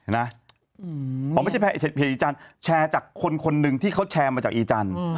เห็นไหมอ๋อไม่ใช่แชร์เพจอีจันทร์แชร์จากคนนึงที่เขาแชร์มาจากอีจันทร์